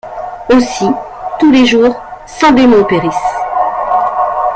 Aussi, tous les jours cent démons périssent.